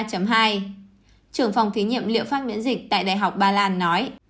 trưởng phòng thí nghiệm liệu phát miễn dịch tại đại học bà làn nói